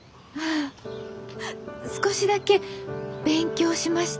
少しだけ勉強しました。